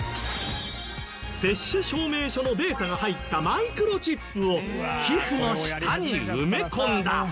接種証明書のデータが入ったマイクロチップを皮膚の下に埋め込んだ。